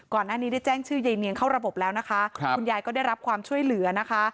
ก่อนหน้านี้ได้แจ้งชื่อยายเนียงเข้าระบบแล้วนะคะคุณยายก็ได้รับความช่วยเหลือนะคะ